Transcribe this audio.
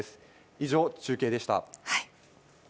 以上、中継でした。